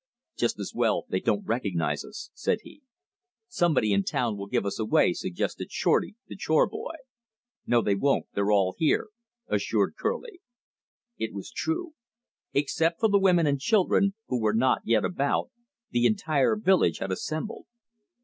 "Just as well they don't recognize us," said he. "Somebody in town will give us away," suggested Shorty, the chore boy. "No, they won't; they're all here," assured Kerlie. It was true. Except for the women and children, who were not yet about, the entire village had assembled.